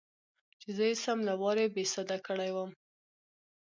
چې زه يې سم له وارې بېسده کړى وم.